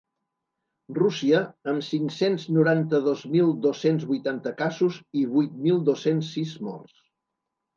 Rússia, amb cinc-cents noranta-dos mil dos-cents vuitanta casos i vuit mil dos-cents sis morts.